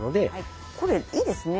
これいいですね。